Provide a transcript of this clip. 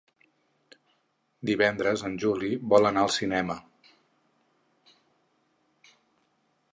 Divendres en Juli vol anar al cinema.